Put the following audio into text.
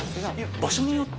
場所によって？